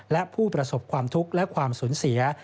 และผู้ประสบความทุกข์และความสูญเสีย